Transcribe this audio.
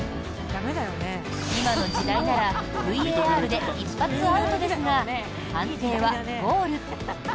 今の時代ならＶＡＲで一発アウトですが判定はゴール。